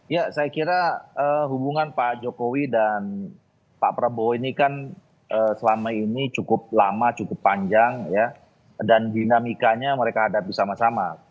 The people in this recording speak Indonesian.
ya saya kira hubungan pak jokowi dan pak prabowo ini kan selama ini cukup lama cukup panjang dan dinamikanya mereka hadapi sama sama